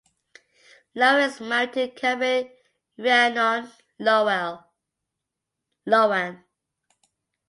Lowen is married to Karin Rhiannon Lowen.